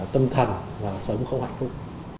tâm thần và sống không hạnh phúc